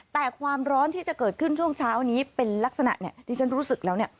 แต่ความร้อนที่จะเกิดขึ้นช่วงเช้านี้เป็นลักษณะที่ฉันรู้สึกแล้วเนี่ย